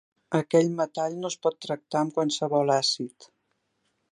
Aquell metall no es pot tractar amb qualsevol àcid.